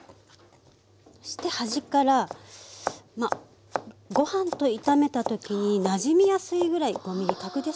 そして端からまあご飯と炒めた時になじみやすいぐらい５ｍｍ角でしょうかね。